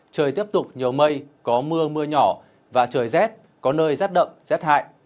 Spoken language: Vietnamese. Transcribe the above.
trời tiếp tục nhiều mây có mưa mưa nhỏ và trời rét có nơi rét đậm rét hại